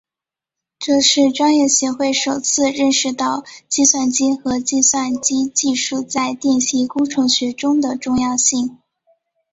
这是专业协会首次认识到计算机和计算机技术在电气工程学中的重要性。